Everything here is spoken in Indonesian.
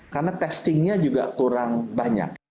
karena testingnya juga kurang banyak